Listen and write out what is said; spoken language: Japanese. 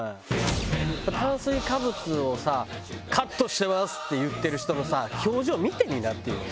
炭水化物をさカットしてますって言ってる人のさ表情見てみなっていうの！